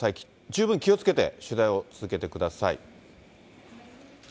十分気をつけて取材を続けてください。